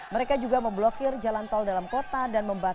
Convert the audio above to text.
mereka juga memblokir jalan tol dalam kota dan memblokir